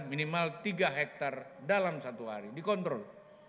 minimal tiga hektare dalam satu hari dikontrol